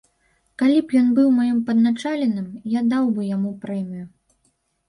Калі б ён быў маім падначаленым, я даў бы яму прэмію.